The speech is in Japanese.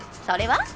それは？